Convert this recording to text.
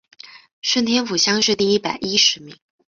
顺天府乡试第一百十一名。